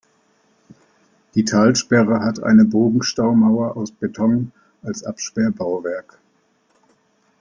Die Talsperre hat eine Bogenstaumauer aus Beton als Absperrbauwerk.